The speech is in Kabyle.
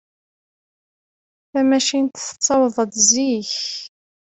Tamacint tettaweḍ-d zik.